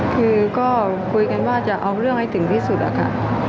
คือก็คุยกันว่าจะเอาเรื่องให้ถึงที่สุดอะค่ะ